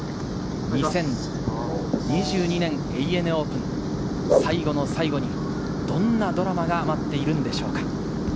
２０２２年ＡＮＡオープン、最後の最後にどんなドラマが待っているんでしょうか？